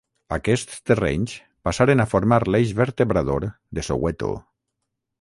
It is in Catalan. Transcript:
Aquests terrenys passaren a formar l'eix vertebrador de Soweto.